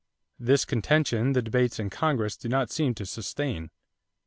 This contention the debates in Congress do not seem to sustain.